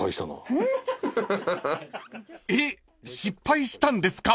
［えっ失敗したんですか？］